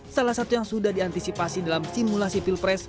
salah satu yang sudah diantisipasi dalam simulasi pilpres